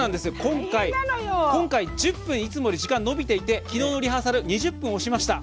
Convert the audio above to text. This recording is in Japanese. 今回、１０分、いつもより時間延びていてきのうのリハーサル２０分、押しました。